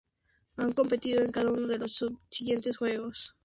Han competido en cada uno de los subsiguientes juegos hasta la fecha.